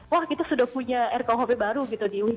wah itu sudah punya rkuhp baru gitu